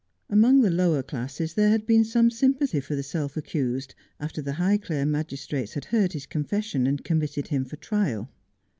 Among the lower classes there had been some sympathy for the self accused, after the Highclere magistrates had heard his confession and committed him for trial.